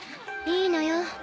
いいのよ